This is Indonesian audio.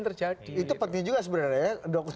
terjadi itu penting juga sebenarnya